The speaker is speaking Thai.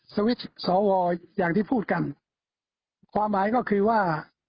สวิตช์สอวออย่างที่พูดกันความหมายก็คือว่า